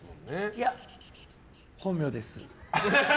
いや、本名です。